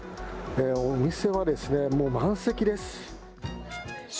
お店はですね、もう満席です。